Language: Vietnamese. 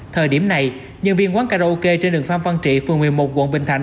thời điểm này nhân viên quán karaoke trên đường phan văn trị phường một mươi một quận bình thạnh